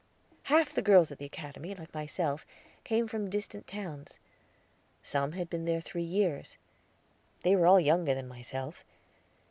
Half the girls at the Academy, like myself, came from distant towns. Some had been there three years. They were all younger than myself.